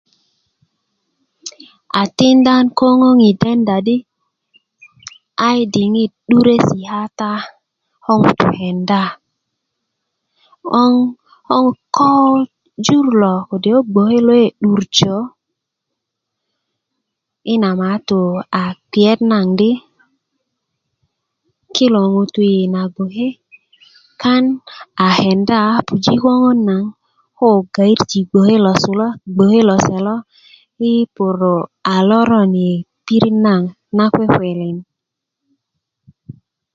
a tinda na köŋön i denda di ayi diŋit 'duresi' kata ko ŋutu kenda 'boŋ koŋ ko jur lo kode' ko gboke lo ke' 'durjo i na maatu a kpiyet naŋ di kilo ŋutuu i na gboke kan a kenda a puji' köŋön naŋ ko gayeraji gboke lose lo gboke lose lo i puru' a loron i pirit naŋ na kwekwelen